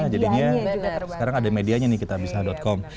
jadinya sekarang ada medianya nih kitabisa com